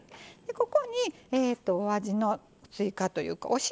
ここにえとお味の追加というかお塩